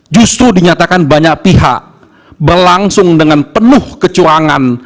justru dinyatakan banyak pihak berlangsung dengan penuh kecurangan